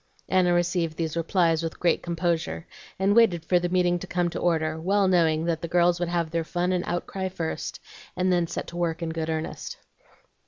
Anna received these replies with great composure, and waited for the meeting to come to order, well knowing that the girls would have their fun and outcry first, and then set to work in good earnest.